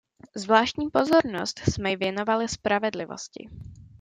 Zvláštní pozornost jsme věnovali spravedlivosti.